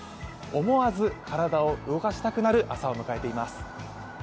思わず体を動かしたくなる朝を迎えています。